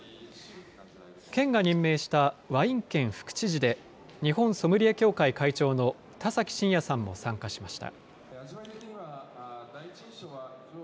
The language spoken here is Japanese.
県が任命したワイン県副知事で、日本ソムリエ協会会長の田崎真也さんも参加しました。